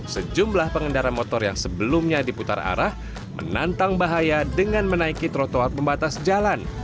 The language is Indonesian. sejumlah pengendara motor yang sebelumnya diputar arah menantang bahaya dengan menaiki trotoar pembatas jalan